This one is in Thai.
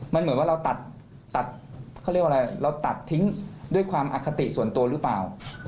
มันเหมือนว่าเราตัดทิ้งด้วยความอคติส่วนตัวหรือเปล่า